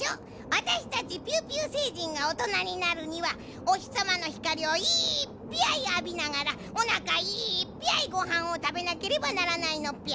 あたしたちピューピューせいじんがおとなになるにはおひさまのひかりをいっぴゃいあびながらおなかいっぴゃいごはんをたべなければならないのっぴゃ。